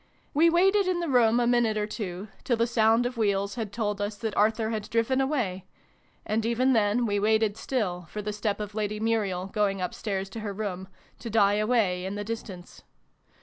We waited in the room a xvil] TO THE RESCUE! 281 minute or two, till the sound of wheels had told us that Arthur had driven away ; and even then we waited still, for the step of Lady Muriel, going upstairs to her room, to die away in the distance.